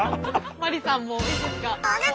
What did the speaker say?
麻里さんもいいですか？